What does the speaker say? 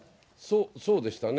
そ、そうでしたね。